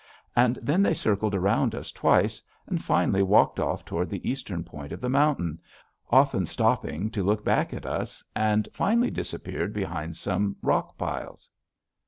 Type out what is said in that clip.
And then they circled around us, twice, and finally walked off toward the eastern point of the mountain, often stopping to look back at us, and finally disappeared behind some rock piles.